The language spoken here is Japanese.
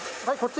はい。